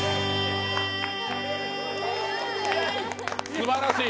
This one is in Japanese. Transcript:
すばらしい！